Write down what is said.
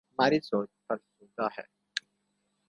ہماری سوچ فرسودہ ہے۔